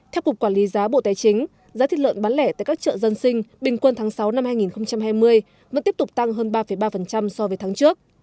theo cục quản lý giá bộ tài chính giá thịt lợn bán lẻ tại các chợ dân sinh bình quân tháng sáu năm hai nghìn hai mươi vẫn tiếp tục tăng hơn ba ba so với tháng trước